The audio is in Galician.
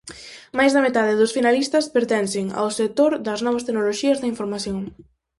Máis da metade dos finalistas pertencen ao sector das novas tecnoloxías da información.